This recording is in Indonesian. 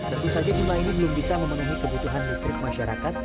tentu saja jumlah ini belum bisa memenuhi kebutuhan listrik masyarakat